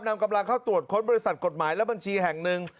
นำกำลังเข้าตรวจค้นบริษัทกฎหมายและบัญชีแห่งหนึ่ง